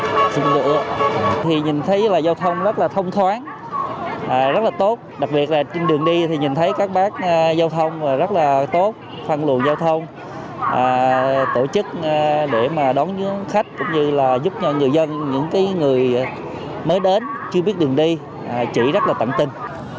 các chú công an ở đây thì nhìn thấy là giao thông rất là thông thoáng rất là tốt đặc biệt là trên đường đi thì nhìn thấy các bác giao thông rất là tốt phân luồn giao thông tổ chức để mà đón những khách cũng như là giúp những người dân những người mới đến chưa biết đường đi chỉ rất là tận tinh